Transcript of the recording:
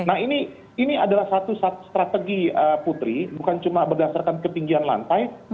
nah ini adalah satu strategi putri bukan cuma berdasarkan ketinggian lantai